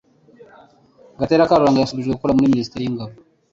Gatete Karuranga yasubijwe gukorera muri minisiteri y'ingabo